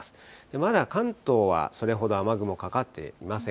まだ関東はそれほど雨雲かかっていません。